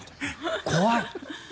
怖い！